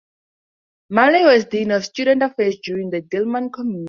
Malay was Dean of Student Affairs during the Diliman Commune.